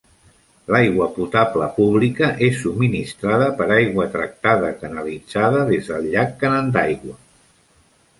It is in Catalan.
L'aigua potable pública és subministrada per aigua tractada canalitzada des del llac Canandaigua.